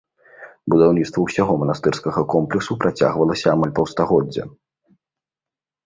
Будаўніцтва ўсяго манастырскага комплексу працягвалася амаль паўстагоддзя.